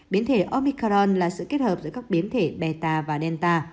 biến thể omicron là sự kết hợp giữa các biến thể beta và delta